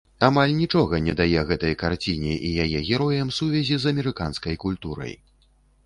Амаль нічога не дае гэтай карціне і яе героям сувязі з амерыканскай культурай.